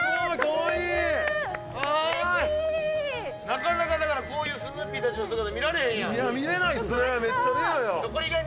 なかなかだから、こういうスヌーピーたちの姿、見られへんやめっちゃ見れない。